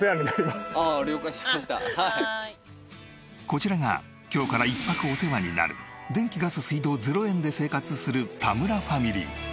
こちらが今日から１泊お世話になる電気ガス水道０円で生活する田村ファミリー。